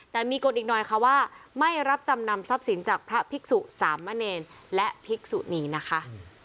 แต่มีกฎอีกหน่อยค่ะว่าไม่รับจำนำทรัพย์สินจากพระภิกษุสามเณรและภิกษุนีนะคะ